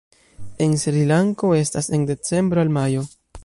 En Srilanko estas en decembro al majo.